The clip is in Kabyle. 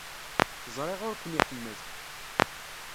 Ẓriɣ ur ken-iḥemmel.